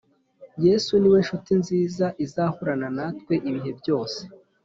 Yesu niwe nshuti nziza izahorana natwe ibihe byose